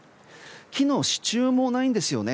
木の支柱もないんですよね。